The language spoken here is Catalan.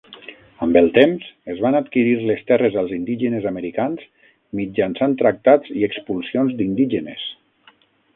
Amb el temps, es van adquirir les terres als indígenes americans mitjançant tractats i expulsions d'indígenes.